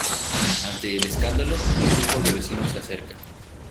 Ante el escándalo un grupo de vecinos se acerca.